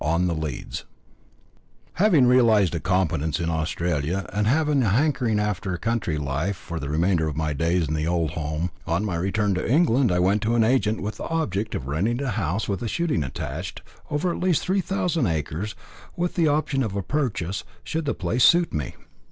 ON THE LEADS Having realised a competence in Australia, and having a hankering after country life for the remainder of my days in the old home, on my return to England I went to an agent with the object of renting a house with shooting attached, over at least three thousand acres, with the option of a purchase should the place suit me.